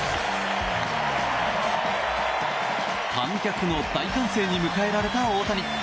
観客の大歓声に迎えられた大谷。